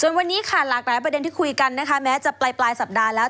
ส่วนวันนี้คาลักษณะประเด็นที่คุยกันนะคะแม้จะปลายสัปดาห์แล้ว